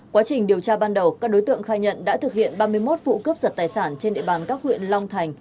quá trình điều tra ban đầu các đối tượng khai nhận đã thực hiện ba mươi một vụ cướp giật tài sản trên địa bàn các huyện long thành